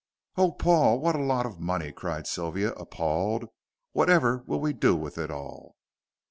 "Oh, Paul, what a lot of money!" cried Sylvia, appalled. "Whatever will we do with it all?"